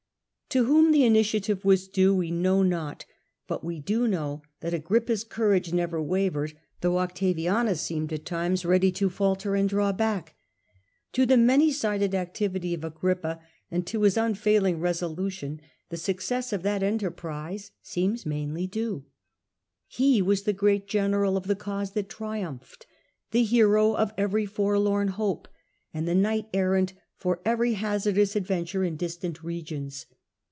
To whom the — A.D. 14 Augustus, 23 initiative was due we know not; but we do know that Agrippa^s courage never wavered, though Octavianus seemed at times ready to falter and draw back. To the many sided activity of Agrippa and to his . i i /•! His energy. unfailing resolution the success of that enter prise seems mainly due. He was the great general of the cause that triumphed, the hero of every forlorn hope, and the knight errant for every hazardous adventure in distant regions.